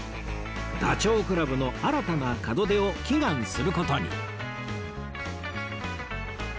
ダチョウ倶楽部の新たな門出を祈願する事に